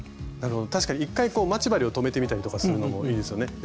確かに一回待ち針を留めてみたりとかするのもいいですよね。